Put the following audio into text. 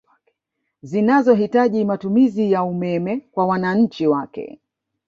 Zinazo hitaji matumizi ya umeme kwa wananchi wake